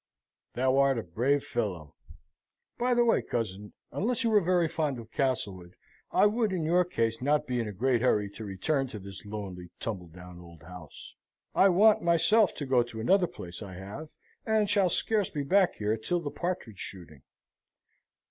"Thou art a brave fellow. By the way, cousin, unless you are very fond of Castlewood, I would in your case not be in a great hurry to return to this lonely, tumble down old house. I want myself to go to another place I have, and shall scarce be back here till the partridge shooting.